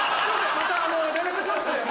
また連絡しますんで。